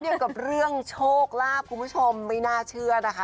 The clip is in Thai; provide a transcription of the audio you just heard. เกี่ยวกับเรื่องโชคลาภคุณผู้ชมไม่น่าเชื่อนะคะ